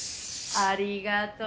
ありがとう！